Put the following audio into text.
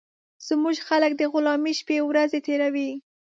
زموږ خلک د غلامۍ شپې ورځي تېروي